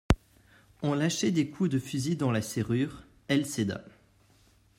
On lâchait des coups de fusil dans la serrure: elle céda.